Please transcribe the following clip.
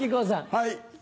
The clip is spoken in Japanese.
はい。